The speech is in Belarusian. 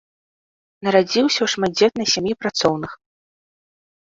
Нарадзіўся ў шматдзетнай сям'і працоўных.